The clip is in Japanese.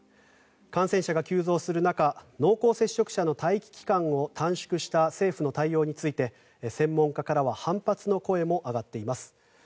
感染者が急増する中濃厚接触者の待機期間を短縮した政府の対応について専門家からは反発の声も上がっています。